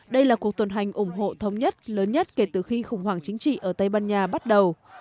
đây là cuộc tuần hành ủng hộ thống nhất lớn nhất kể từ khi khủng hoảng chính trị ở tây ban nha bắt đầu